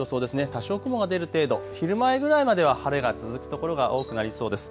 多少雲が出る程度、昼前ぐらいまでは晴れが続く所が多くなりそうです。